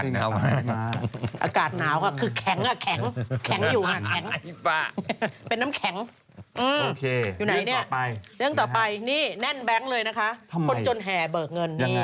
พี่ม้าไปทำอะไรมาคะหน้าเด้งจัง